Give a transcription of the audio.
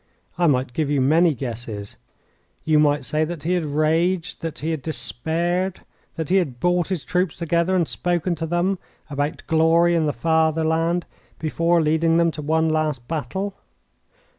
I might give you many guesses. You might say that he had raged, that he had despaired, that he had brought his troops together and spoken to them about glory and the fatherland before leading them to one last battle.